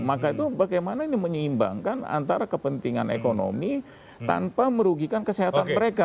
maka itu bagaimana ini menyeimbangkan antara kepentingan ekonomi tanpa merugikan kesehatan mereka